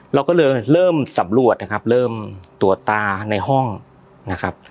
เราก็เลยเริ่มสำรวจนะครับเริ่มตรวจตาในห้องนะครับ